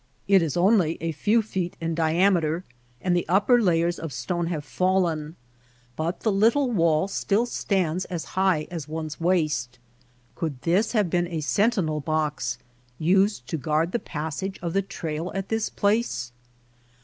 It is only a few feet in diameter, and the upper layers of stone have fallen ; but the little wall still stands as high as one^s waist. Could this have been a sentinel box used to guard the passage of the trail at this place